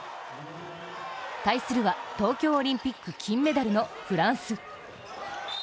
対するは東京オリンピック金メダルのフランス。